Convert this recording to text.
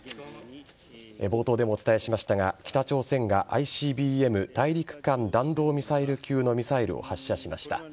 冒頭でもお伝えしましたが北朝鮮がＩＣＢＭ＝大陸間弾道ミサイル級のミサイルを発射しました。